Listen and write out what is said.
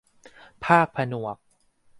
ภาคผนวก